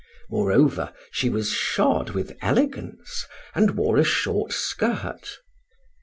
Moreover, she was shod with elegance, and wore a short skirt.